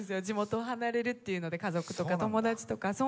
地元を離れるというので家族とか友達とか。